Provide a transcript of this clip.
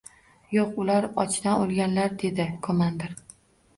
— Yo‘q, ular ochdan o‘lganlar, — dedi komandir.